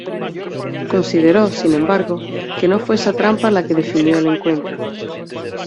Consideró, sin embargo, que no fue esa trampa la que definió el encuentro.